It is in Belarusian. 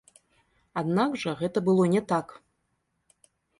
Аднак жа гэта было не так.